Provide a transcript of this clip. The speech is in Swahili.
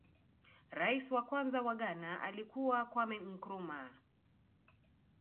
rais wa kwanza wa ghana alikuwa kwame nkurumah